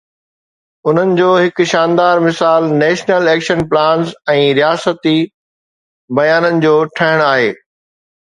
ان جو هڪ شاندار مثال نيشنل ايڪشن پلانز ۽ رياستي بيانن جو ٺهڻ آهي.